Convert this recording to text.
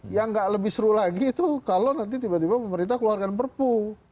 yang nggak lebih seru lagi itu kalau nanti tiba tiba pemerintah keluarkan perpu